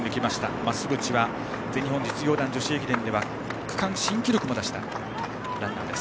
増渕は全日本実業団で区間新記録も出したランナーです。